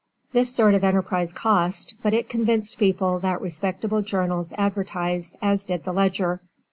This sort of enterprise cost, but it convinced people that respectable journals advertised as did the Ledger.